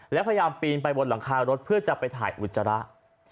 และพยายามปีนไปบนหลังคารถเพื่อจะไปถ่ายอุจจาระ